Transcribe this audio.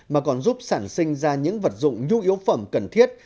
mà còn giúp sản sinh ra những vật dụng nhu yếu phẩm cần thiết